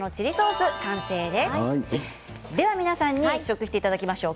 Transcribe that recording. では皆さんに試食していただきましょう。